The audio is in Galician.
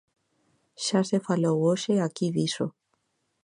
Xa se falou hoxe aquí diso.